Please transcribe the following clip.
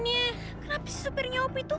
ini kenapa si sopirnya opi tuh